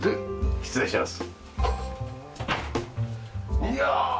失礼します。